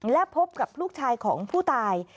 และพบกับลูกชายของผู้ตาย